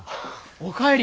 お帰り！